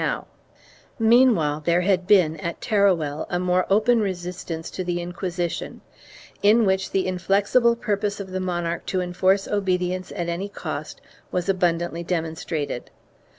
"1 Meanwhile there had been, at Teruel, a more open resistance to the Inquisition, in which the inflexible purpose of the monarch to enforce obedience at any cost was abundantly demonstrated.